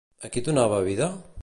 A qui donava vida?